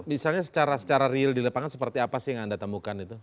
misalnya secara real di lapangan seperti apa sih yang anda temukan itu